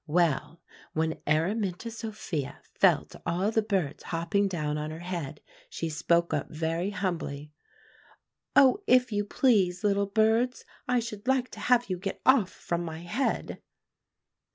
"Well, when Araminta Sophia felt all the birds hopping down on her head, she spoke up very humbly, 'Oh, if you please, little birds, I should like to have you get off from my head.